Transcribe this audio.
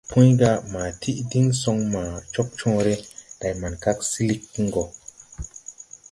Pũy: «Ma tiʼ diŋ soŋ ma Cogcõõre, day Mankag silig gɔ.».